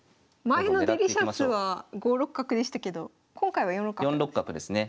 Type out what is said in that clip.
前のデリシャスは５六角でしたけど今回は４六角ですね。